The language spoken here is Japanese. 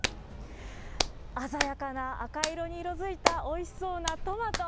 鮮やかな赤色に色づいたおいしそうなトマト。